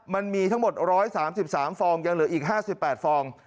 มันมีทั้งหมด๑๓๓ฟองยังเหลืออีก๕๘ฟอง